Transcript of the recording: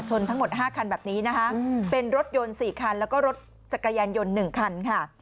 ทั้งหมด๕คันแบบนี้นะคะเป็นรถยนต์๔คันแล้วก็รถจักรยานยนต์๑คันค่ะ